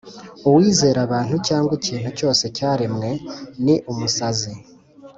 Uwizera abantu cyangwa ikintu cyose cyaremwe ni umusazi